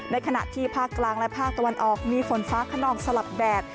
ในขณะที่ภาคกลางและภาคตะวันออกมีฝนฟ้าขนองสลับแดด